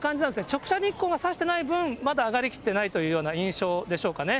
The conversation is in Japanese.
直射日光がさしてない分、まだ上がりきってないというような印象でしょうかね。